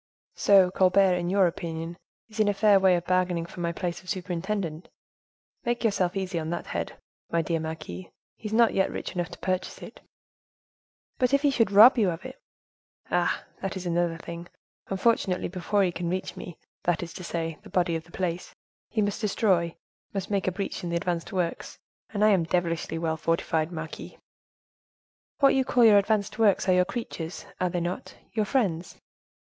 "So, Colbert, in your opinion, is in a fair way of bargaining for my place of superintendent. Make yourself easy on that head, my dear marquise; he is not yet rich enough to purchase it." "But if he should rob you of it?" "Ah! that is another thing. Unfortunately, before he can reach me, that is to say, the body of the place, he must destroy, must make a breach in the advanced works, and I am devilishly well fortified, marquise." "What you call your advanced works are your creatures, are they not—your friends?"